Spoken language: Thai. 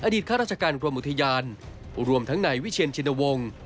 ข้าราชการกรมอุทยานรวมทั้งนายวิเชียนชินวงศ์